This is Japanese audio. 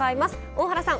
大原さん